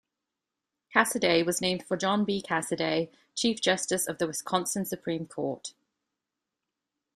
Cassoday was named for John B. Cassoday, chief justice of the Wisconsin Supreme Court.